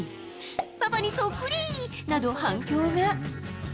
パパにそっくりなど、反響が。